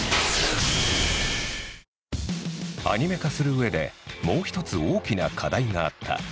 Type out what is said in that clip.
アニメ化するうえでもう一つ大きな課題があった。